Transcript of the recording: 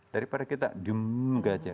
daripada kita jemeng aja